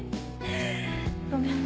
ごめんね。